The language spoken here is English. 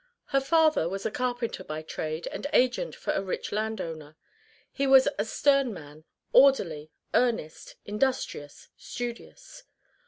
Her father was a carpenter by trade and agent for a rich landowner. He was a stern man orderly, earnest, industrious, studious.